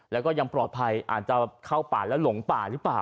แล้วก็ยังปลอดภัยอาจจะเข้าป่าแล้วหลงป่าหรือเปล่า